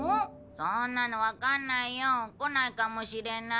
そんなのわからないよ。来ないかもしれない。